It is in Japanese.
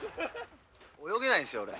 泳げないんですよ俺。